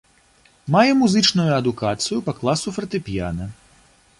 Мае музычную адукацыю па класу фартэпіяна.